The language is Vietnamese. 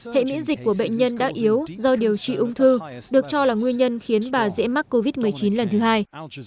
hệ miễn dịch của bệnh nhân đã yếu do điều trị ung thư được cho là nguyên nhân khiến bà dễ mắc covid một mươi chín lần thứ hai